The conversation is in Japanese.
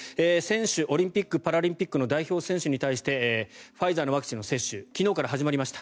オリンピック・パラリンピックの代表選手に対してファイザーのワクチンの接種昨日から始まりました。